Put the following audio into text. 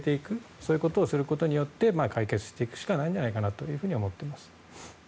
そういうことをすることによって解決していくしかないんじゃないかなと思っています。